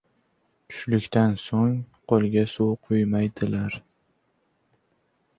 • Tushlikdan so‘ng qo‘lga suv quymaydilar.